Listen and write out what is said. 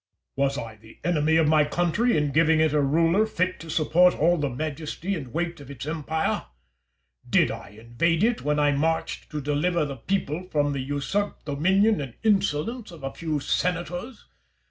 Caesar. Was I the enemy of my country in giving it a ruler fit to support all the majesty and weight of its empire? Did I invade it when I marched to deliver the people from the usurped dominion and insolence of a few senators?